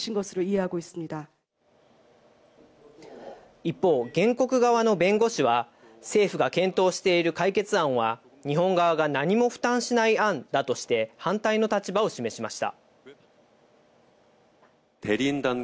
一方、原告側の弁護士は、政府が検討している解決案は、日本側が何も負担しない案だとして反対の立場を示しました。